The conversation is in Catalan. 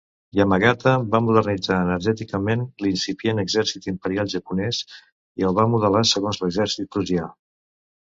Yamagata va modernitzar enèrgicament l'incipient Exèrcit Imperial Japonès, i el va modelar segons l'exèrcit prussià.